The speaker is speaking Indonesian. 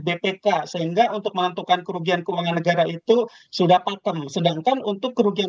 bpk sehingga untuk menentukan kerugian keuangan negara itu sudah pakem sedangkan untuk kerugian